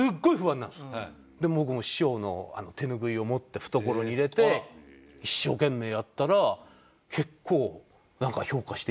僕も師匠の手ぬぐいを持って懐に入れて一生懸命やったら結構なんか評価していただいて。